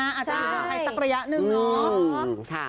อาจจะให้สักระยะนึงเนอะ